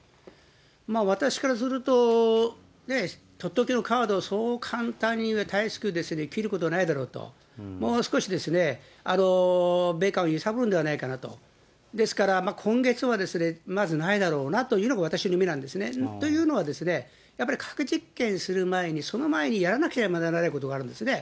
私からすると、取って置きのカードをそう簡単にたやすく切ることはないだろうと、もう少し米韓を揺さぶるんではないかなと、ですから今月はまずないだろうなというのが私の見方なんですね、というのは、やっぱり核実験する前に、その前にやらなければならないことがあるんですね。